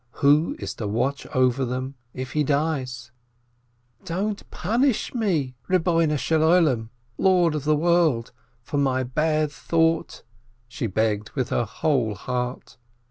Who is to watch over them if he dies ? "Don't punish me, Lord of the World, for my bad thought," she begged with her whole heart.